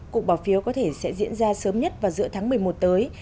cuộc bỏ phiếu có thể sẽ diễn ra sớm nhất vào giữa tháng một mươi một tới